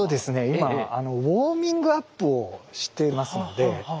今ウォーミングアップをしてますので。